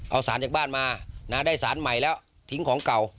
เอาสารจากบ้านมาได้สารใหม่แล้วทิ้งของเก่า